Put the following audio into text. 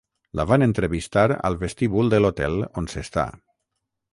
La van entrevistar al vestíbul de l'hotel on s'està.